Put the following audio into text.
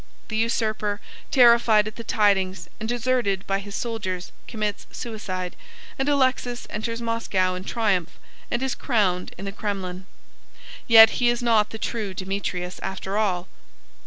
The usurper, terrified at the tidings, and deserted by his soldiers, commits suicide, and Alexis enters Moscow in triumph, and is crowned in the Kremlin. Yet he is not the true Demetrius, after all.